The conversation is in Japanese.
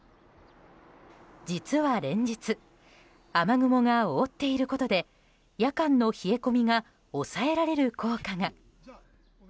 実は連日雨雲が覆っていることで夜間の冷え込みが抑えられる効果が。